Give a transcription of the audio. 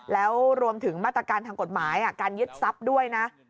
แล้วรวมถึงมาตรการทางกฎหมายการยึดทรัพย์ด้วยนะ